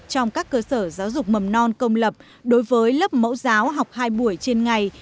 trong các cơ sở giáo dục mầm non công lập đối với lớp mẫu giáo học hai buổi trên ngày